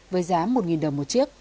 với giá một đồng một chiếc